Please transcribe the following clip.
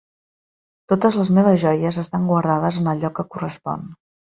Totes les meves joies estan guardades en el lloc que correspon.